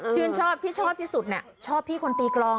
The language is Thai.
ชอบที่ชอบที่สุดชอบพี่คนตีกรอง